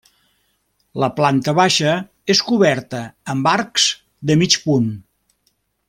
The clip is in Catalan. La planta baixa és coberta amb arcs de mig punt.